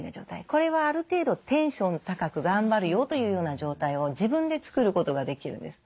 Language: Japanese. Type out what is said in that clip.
これはある程度テンション高く頑張るよというような状態を自分で作ることができるんです。